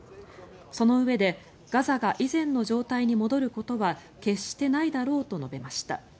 そのうえでガザが以前の状態に戻ることは決してないだろうと述べました。